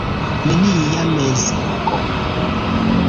Nenia mensogo.